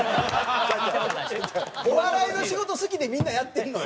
違う違うお笑いの仕事好きでみんなやってるのよ。